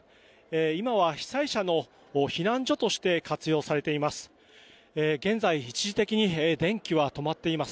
今は被災者の避難所として活用されています。